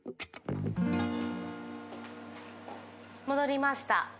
戻りました。